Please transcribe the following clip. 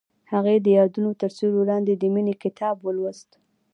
هغې د یادونه تر سیوري لاندې د مینې کتاب ولوست.